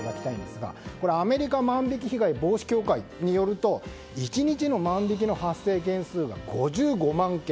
アメリカ万引き被害防止協会によると１日の万引きの発生件数が５５万件。